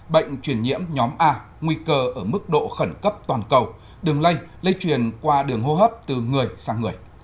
bệnh truyền nhiễm nhóm a nguy cơ ở mức độ khẩn cấp toàn cầu đường lây lây truyền qua đường hô hấp từ người sang người